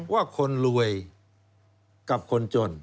ว่าคนรวยกับคนจน